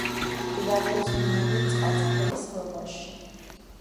მდებარეობს მდინარე წყალწითელის ხეობაში.